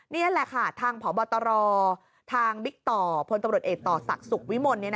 นี่แหละค่ะทางพบตรทางบิ๊กต่อพลตำรวจเอกต่อศักดิ์สุขวิมล